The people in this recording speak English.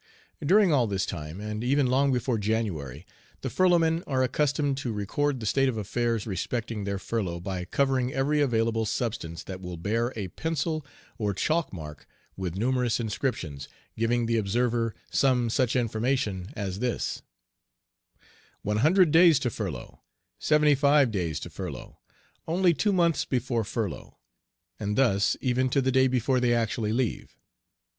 During all this time, and even long before January, the furloughmen are accustomed to record the state of affairs respecting their furlough by covering every available substance that will bear a pencil or chalk mark with numerous inscriptions, giving the observer some such information as this: "100 days to furlough," "75 days to furlough," "only two months before furlough," and thus even to the day before they actually leave.